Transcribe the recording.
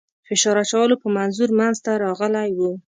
فشار اچولو په منظور منځته راغلی وو.